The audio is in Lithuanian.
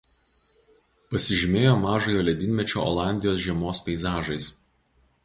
Pasižymėjo „mažojo ledynmečio“ Olandijos žiemos peizažais.